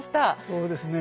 そうですね。